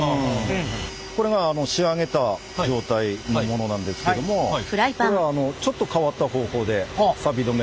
これが仕上げた状態のものなんですけどもこれはあのちょっと変わった方法でさび止めかけます。